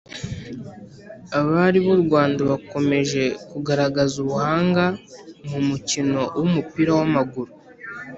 Abari burwanda bakomeje kugaragaza ubuhanga mu mukino wumupira wa maguru